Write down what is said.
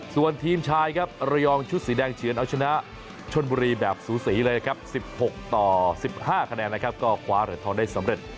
ส่วนทีมชายครับระยองชุดสีแดงเฉือนเอาชนะชนบุรีแบบสูสีเลยนะครับ๑๖ต่อ๑๕คะแนนนะครับก็คว้าเหรียญทองได้สำเร็จ